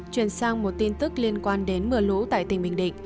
chuyển sang một tin tức liên quan đến mưa lũ tại tỉnh bình định